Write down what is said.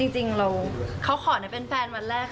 จริงเขาขอได้เป็นแฟนวันแรก